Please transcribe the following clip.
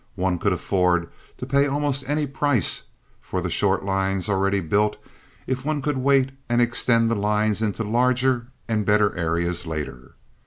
One could afford to pay almost any price for the short lines already built if one could wait and extend the lines into larger and better areas later.